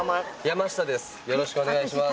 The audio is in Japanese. よろしくお願いします。